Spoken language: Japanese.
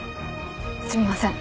すみません。